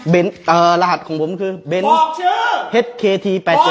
เวลาปลัดโจทย์ผ่านบัตรเครดิตแบบเนี้ย